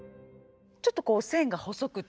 ちょっとこう線が細くて。